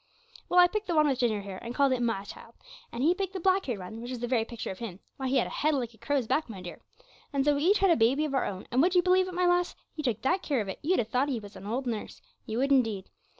'Well, I picked the one with ginger hair, and called it my child, and he picked the black haired one, which was the very picture of him why, he had a head like a crow's back, my dear. And so we each had a baby of our own, and would you believe it, my lass, he took that care of it, you'd have thought he was an old nurse you would indeed.